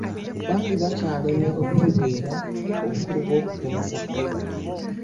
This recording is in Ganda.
Bangi bakyalemye okutegeera obukulu bw'okugemesa Covid